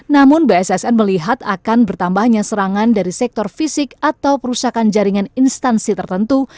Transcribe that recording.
namun bssn melihat akan bertambahnya serangan dari sektor fisik atau perusakan jaringan instansi tertentu